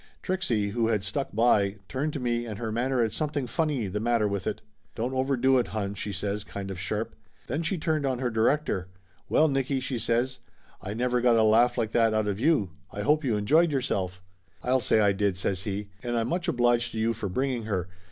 Trixie, who had stuck by, turned to me, and her manner had something funny the matter with it. "Don't overdo it, hon!" she says, kind of sharp. Then she turned on her director. "Well, Nicky !" she says. "I never got a laugh like that out of you! I hope you enjoyed yourself !" "I'll say I did !" says he. "And I'm much obliged to you for bringing her.